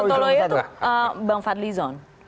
jadi itu politikus sontoloyo itu bang fadli john